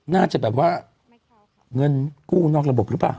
น่าจะแบบว่าเงินกู้นอกระบบหรือเปล่า